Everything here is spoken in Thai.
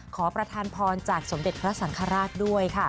ขอประธานพรจากสมเด็จพระสังฆราชด้วยค่ะ